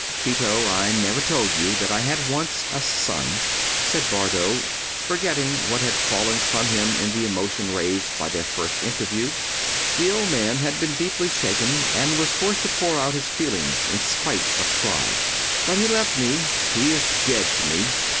"Tito, I never told you that I had once a son," said Bardo, forgetting what had fallen from him in the emotion raised by their first interview. The old man had been deeply shaken, and was forced to pour out his feelings in spite of pride. "But he left me—he is dead to me.